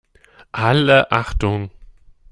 Alle Achtung!